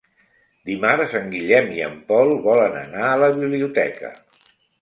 Dimarts en Guillem i en Pol volen anar a la biblioteca.